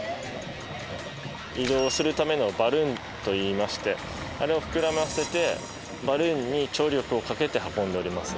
移動するためのバルーンといいまして、あれを膨らませて、バルーンに張力をかけて運んでおります。